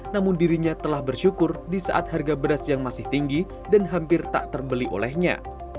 namun dirinya telah bersyukur di saat harga beras yang masih tinggi dan hampir tak terbeli olehnya